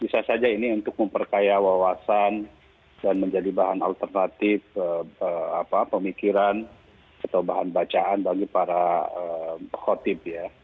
bisa saja ini untuk memperkaya wawasan dan menjadi bahan alternatif pemikiran atau bahan bacaan bagi para khotib ya